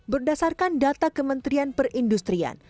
berdasarkan data kementrian perindustrian